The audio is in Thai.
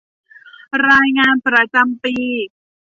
รายงานประจำปี